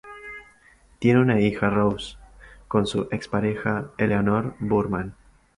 Tiene una hija, Rose, con su expareja Eleanor Boorman.